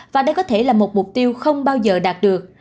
và đây có thể là một mục tiêu không bao giờ đạt được